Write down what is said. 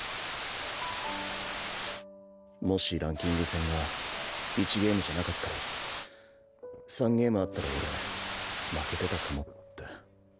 もしランキング戦が１ゲームじゃなかったら３ゲームあったら俺負けてたかもって。